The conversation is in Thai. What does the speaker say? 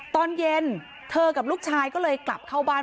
ตอนเย็นเธอกับลูกชายก็เลยกลับเข้าบ้าน